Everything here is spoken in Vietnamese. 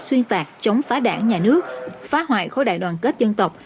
xuyên tạc chống phá đảng nhà nước phá hoại khối đại đoàn kết dân tộc